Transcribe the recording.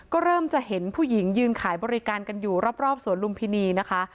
ก็เริ่มจะเห็นผู้หญิงยืนขายบริการกันอยู่รอบสวนลุมพินีนะคะ